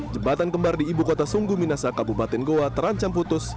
jembatan kembar di ibu kota sungguh minasa kabupaten goa terancam putus